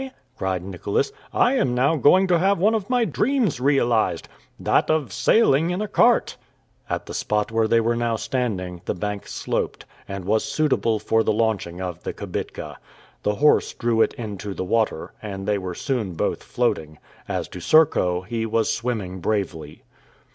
cried Nicholas. "I am now going to have one of my dreams realized that of sailing in a cart." At the spot where they were now standing, the bank sloped, and was suitable for the launching of the kibitka. The horse drew it into the water, and they were soon both floating. As to Serko, he was swimming bravely.